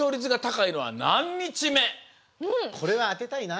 これは当てたいな。